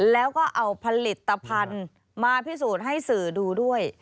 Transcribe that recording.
แล้วก็เอาผลิตภัณฑ์มาพิสูจน์ให้สื่อดูด้วย